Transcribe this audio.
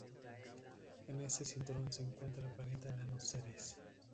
En este cinturón se encuentra el planeta enano Ceres.